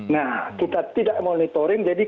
nah kita tidak monitoring